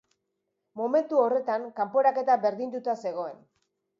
Momentu horretan kanporaketa berdinduta zegoen.